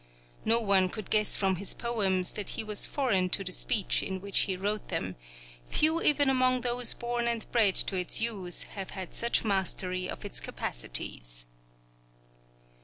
No one could guess from his poems that he was foreign to the speech in which he wrote them; few even among those born and bred to its use have had such mastery of its capacities.